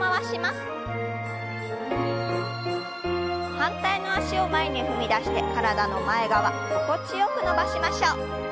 反対の脚を前に踏み出して体の前側心地よく伸ばしましょう。